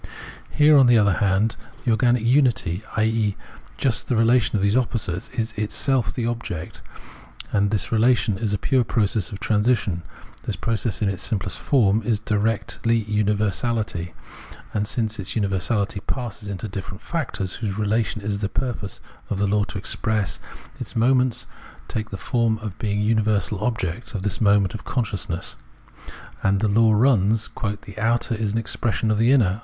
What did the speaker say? Here, on the other hand, the organic unity, i.e. just the relation of those opposites, is itself the object ; and this relation is a pure process of transition. This process in its simplest form is directly universahty ; and since universahty passes into different factors, whose relation it is the purpose of the law to express, its moments take the form of being universal objects of this mode of consciousness, and the law runs, "the outer is an expression of the inner."